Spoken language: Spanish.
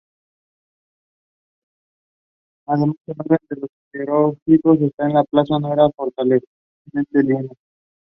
Además, el orden de los jeroglíficos en una palabra, no era forzosamente lineal.